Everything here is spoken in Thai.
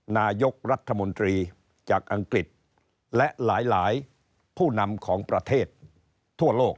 นายกรัฐมนตรีจากอังกฤษและหลายผู้นำของประเทศทั่วโลก